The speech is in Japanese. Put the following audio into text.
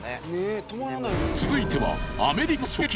続いては。